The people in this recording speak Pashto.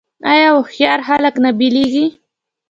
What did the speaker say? آیا هوښیار خلک نه بیلیږي؟